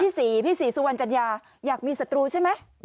ศรีพี่ศรีสุวรรณจัญญาอยากมีศัตรูใช่ไหม